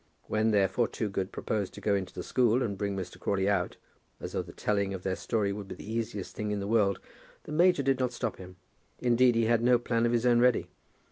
When, therefore, Toogood proposed to go into the school and bring Mr. Crawley out, as though the telling of their story would be the easiest thing in the world, the major did not stop him. Indeed he had no plan of his own ready.